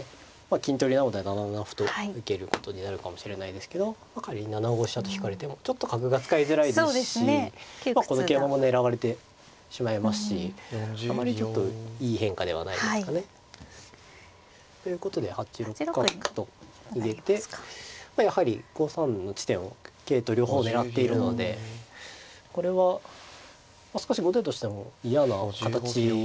金取りなので７七歩と受けることになるかもしれないですけど仮に７五飛車と引かれてもちょっと角が使いづらいですしこの桂馬も狙われてしまいますしあまりちょっといい変化ではないですかね。ということで８六角と入れてやはり５三の地点を桂と両方狙っているのでこれは少し後手としても嫌な形なんですかね。